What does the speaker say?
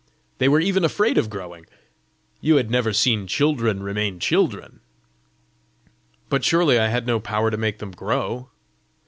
they were even afraid of growing! You had never seen children remain children!" "But surely I had no power to make them grow!"